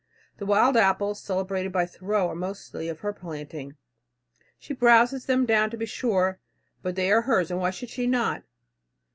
The wild apples, celebrated by Thoreau, are mostly of her planting. She browses them down to be sure, but they are hers, and why should she not?